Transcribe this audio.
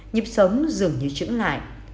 nhịp sống dường như trững lại